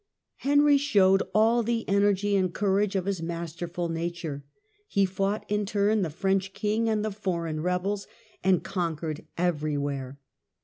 Henry showed all the energy and courage of his masterful nature. He fought in turn the French king and the foreign rebels, and con quered everywhere.